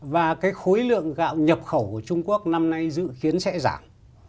và cái khối lượng gạo nhập khẩu của trung quốc năm nay dự kiến sẽ giảm